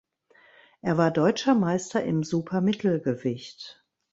Er war deutscher Meister im Supermittelgewicht.